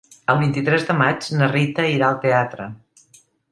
El vint-i-tres de maig na Rita irà al teatre.